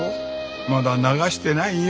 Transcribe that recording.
まだ流してないよ。